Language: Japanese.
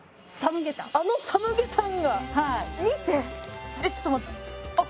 あのサムゲタンがはい見てえっちょっと待っあっ！